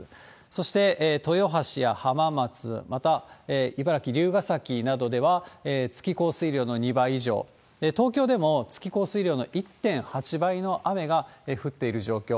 そして、豊橋や浜松、また茨城・龍ヶ崎などでは、月降水量の２倍以上、東京でも月降水量の１．８倍の雨が降っている状況。